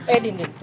eh din tunggu